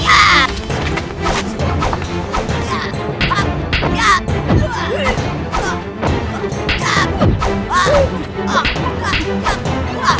aku akan membinasakanku